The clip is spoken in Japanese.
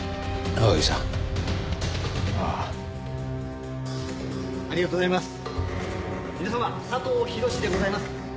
皆様佐藤寛でございます。